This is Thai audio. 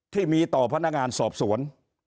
ที่มีต่อพนักงานสอบสวน